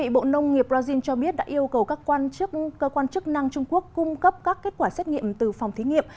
bộ nông nghiệp brazil cho biết đã yêu cầu các cơ quan chức năng trung quốc cung cấp các kết quả xét nghiệm từ phòng thí nghiệm